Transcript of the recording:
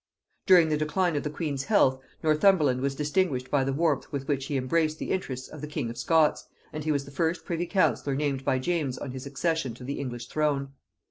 During the decline of the queen's health, Northumberland was distinguished by the warmth with which he embraced the interests of the king of Scots, and he was the first privy councillor named by James on his accession to the English throne.